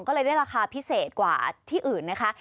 ก็เลยได้ราคาพิเศษกว่าที่อื่นนะคะ